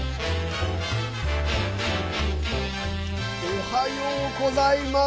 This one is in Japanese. おはようございます。